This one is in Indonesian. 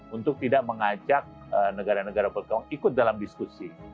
untuk tidak mengajak negara negara berkembang ikut dalam diskusi